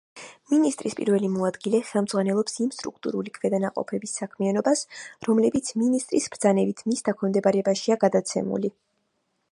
მინისტრის პირველი მოადგილე ხელმძღვანელობს იმ სტრუქტურული ქვედანაყოფების საქმიანობას, რომლებიც მინისტრის ბრძანებით მის დაქვემდებარებაშია გადაცემული.